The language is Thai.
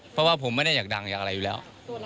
เพราะว่าผมไม่ได้อยากดังอยากอะไรอยู่แล้ว